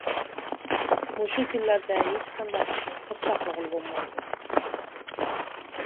مۇشۇ كۈنلەردە ھېچ قانداق ئىشنى سىر ساقلىغىلى بولمايدۇ.